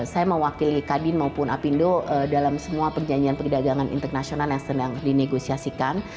saya mewakili kadin maupun apindo dalam semua perjanjian perdagangan internasional yang sedang dinegosiasikan